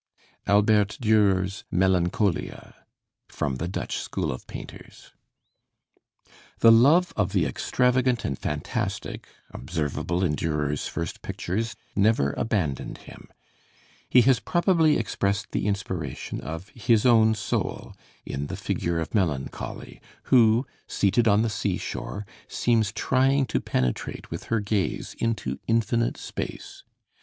ALBERT DÜRER'S 'MELANCHOLIA' From 'The Dutch School of Painters' The love of the extravagant and fantastic observable in Dürer's first pictures never abandoned him. He has probably expressed the inspiration of his own soul in the figure of Melancholy, who, seated on the sea shore, seems trying to penetrate with her gaze into infinite space.